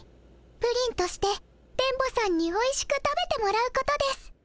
プリンとして電ボさんにおいしく食べてもらうことです。